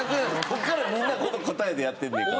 ここからみんなこの答えでやってんねんから。